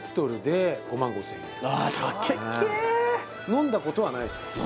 飲んだことはないすか？